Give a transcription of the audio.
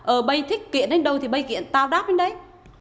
ờ bây thích kiện đến đâu thì bây kiện tao đáp đến đấy